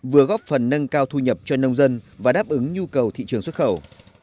vừa góp phần nâng cao thu nhập cho nông dân và đáp ứng nhu cầu thị trường xuất khẩu